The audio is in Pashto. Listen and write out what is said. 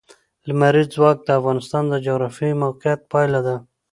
لمریز ځواک د افغانستان د جغرافیایي موقیعت پایله ده.